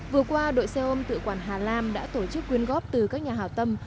vừa qua đội xe ôm tự quản hà lam đã tổ chức quyên góp từ các nhà hảo tâm